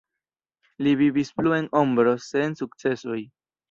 Li vivis plu en "ombro" sen sukcesoj.